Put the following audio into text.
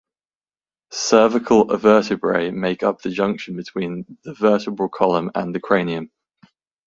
Cervical vertebrae make up the junction between the vertebral column and the cranium.